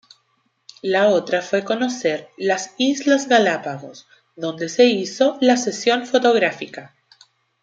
La otra fue conocer las Islas Galápagos, donde se hizo la sesión fotográfica.